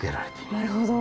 なるほど。